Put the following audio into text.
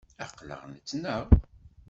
Aql-aɣ nettnaɣ